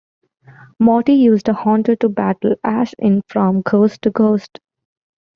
Morty used a Haunter to battle Ash in "From Ghost to Ghost".